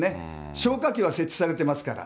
消火器は設置されていますから。